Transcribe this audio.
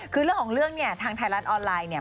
คือเรื่องของเรื่องเนี่ยทางไทยรัฐออนไลน์เนี่ย